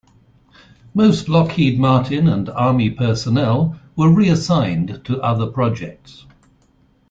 Most Lockheed Martin and Army personnel were reassigned to other projects.